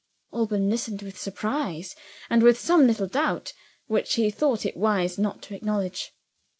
Alban listened with surprise and with some little doubt, which he thought it wise not to acknowledge.